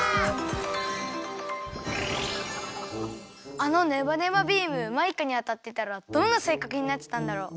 あのネバネバビームマイカにあたってたらどんなせいかくになってたんだろう？